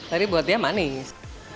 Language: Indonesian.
tapi buat dia manis